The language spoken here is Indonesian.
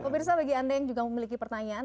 pemirsa bagi anda yang juga memiliki pertanyaan